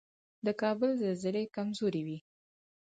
د کابل زلزلې کمزورې وي